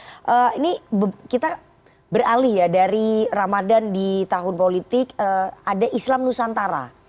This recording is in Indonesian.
tapi kita beralih ya dari ramadhan di tahun politik ada islam nusantara